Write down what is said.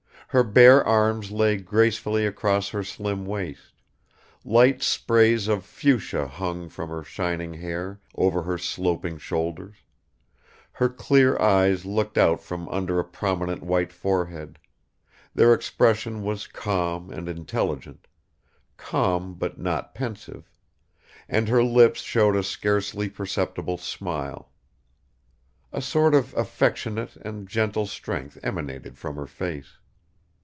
Her bare arms lay gracefully across her slim waist; light sprays of fuchsia hung from her shining hair over her sloping shoulders; her clear eyes looked out from under a prominent white forehead; their expression was calm and intelligent calm but not pensive and her lips showed a scarcely perceptible smile. A sort of affectionate and gentle strength emanated from her face.